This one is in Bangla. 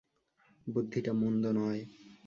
বুদ্ধিটা মন্দ নয়।